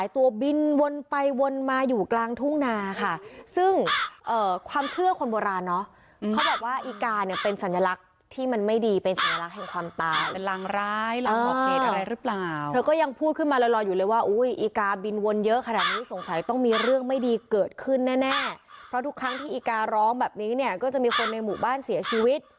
แต่ว่าความเชื่อคนโบราณเนาะเขาบอกว่าอีกาเนี่ยเป็นสัญลักษณ์ที่มันไม่ดีเป็นสัญลักษณ์แห่งความตายเป็นรังร้ายรังประเภทอะไรรึเปล่าเธอก็ยังพูดขึ้นมาร้อยอยู่เลยว่าอีกาบินวนเยอะขนาดนี้สงสัยต้องมีเรื่องไม่ดีเกิดขึ้นแน่เพราะทุกครั้งที่อีการ้องแบบนี้เนี่ยก็จะมีคนในหมู่บ้านเสียช